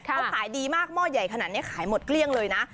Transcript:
เขาขายดีมากหม้อใหญ่ขนาดนี้ขายหมดเกลี้ยงเลยนะ